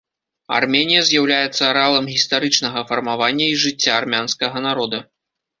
Арменія з'яўляецца арэалам гістарычнага фармавання і жыцця армянскага народа.